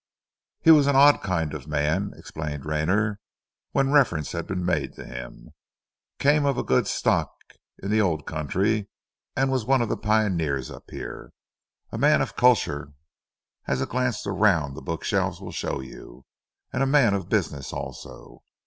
"He was an odd kind of man," explained Rayner, when reference had been made to him. "Came of a good stock in the Old Country, and was one of the pioneers up here. A man of culture as a glance round the bookshelves will show you, and a man of business also.